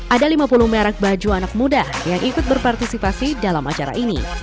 ada lima puluh merek baju anak muda yang ikut berpartisipasi dalam acara ini